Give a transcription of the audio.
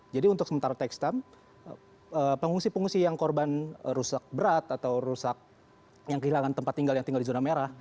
jadi untuk sementara takes time pengungsi pengungsi yang korban rusak berat atau rusak yang kehilangan tempat tinggal yang tinggal di zona merah